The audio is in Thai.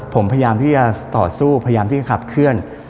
ผมพยายามที่จะต่อสู้พยายามที่จะขับเคลื่อน